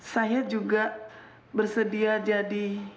saya juga bersedia jadi